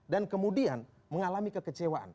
dan kemudian mengalami kekecewaan